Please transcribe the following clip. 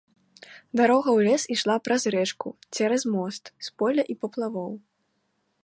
Дарога ў лес ішла праз рэчку, цераз мост, з поля і паплавоў.